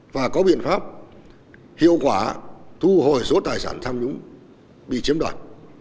và có biện pháp hiệu quả thu hồi số tài sản tham nhũng bị chiếm đoạt